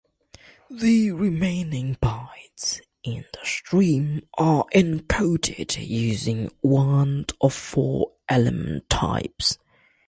The remaining bytes in the stream are encoded using one of four element types.